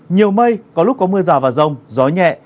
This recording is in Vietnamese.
nhiều mây có lúc có mưa rào và rông gió nhẹ